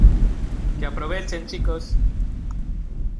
que aprovechen, chicos.